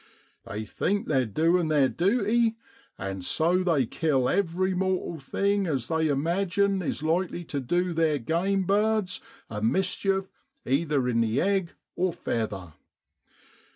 They think they're doin' theer duty, and so they kill every mortal thing as they imagine is likely tu du theer game birds a mischief either in the egg or feather.